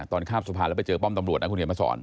ตอนข้ามสะพานแล้วไปเจอป้อมตำรวจคุณเห็นมาสอน